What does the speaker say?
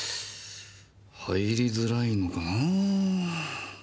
入りづらいのかな。